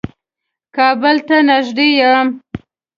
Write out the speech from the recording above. کابل ته نېږدې يم.